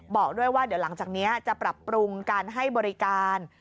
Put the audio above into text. บอกด้วยว่าเดี๋ยวหลังจากนี้จะปรับปรุงการให้บริการ